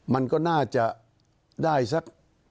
มันก็น่าจะได้สัก